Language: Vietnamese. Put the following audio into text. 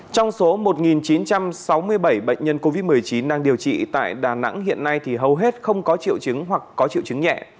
trong số một chín trăm sáu mươi bảy bệnh nhân covid một mươi chín đang điều trị tại đà nẵng hiện nay thì hầu hết không có triệu chứng hoặc có triệu chứng nhẹ